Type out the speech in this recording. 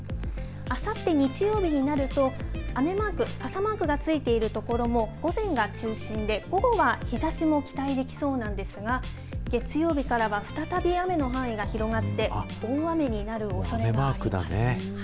あさって日曜日になると、雨マーク、傘マークがついている所も午前が中心で、午後は日ざしも期待できそうなんですが、月曜日からは再び雨の範囲が広がって、大雨になるおそれがあります。